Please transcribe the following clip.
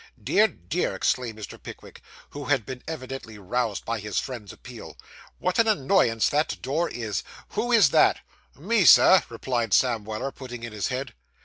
'Dear, dear,' exclaimed Mr. Pickwick, who had been evidently roused by his friend's appeal; 'what an annoyance that door is! Who is that?' 'Me, Sir,' replied Sam Weller, putting in his head.